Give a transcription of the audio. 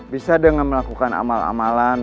bisa dengan melakukan amal amalan